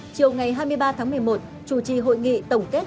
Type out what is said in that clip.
chiều ngày hai mươi ba tháng một mươi một chủ trì hội nghị tổng kết